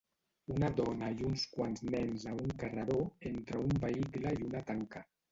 Una dona i uns quants nens a un carreró entre un vehicle i una tanca